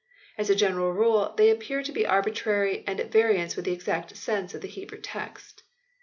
As a general rule they appear to be arbitrary and at variance with the exact sense of the Hebrew text."